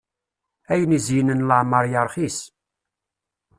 Ayen izeynen leɛmeṛ yeṛxis.